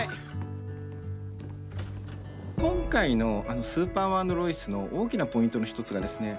今回の「スーパーマン＆ロイス」の大きなポイントの一つがですね